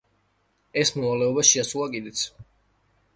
ეს მოვალეობა შეასრულა კიდეც.